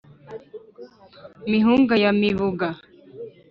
mihunga ya mibuga